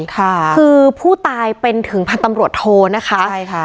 ค่ะคือผู้ตายเป็นถึงพันธ์ตำรวจโทนะคะใช่ค่ะ